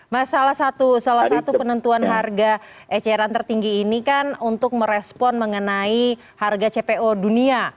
mas salah satu penentuan harga eceran tertinggi ini kan untuk merespon mengenai harga cpo dunia